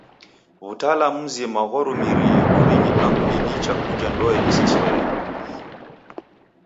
W'utalamu mzima ghwarumirie w'orinyi angu ni nicha kuja ndoe isesoe.